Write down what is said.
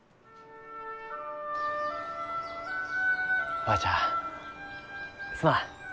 おばあちゃんすまん。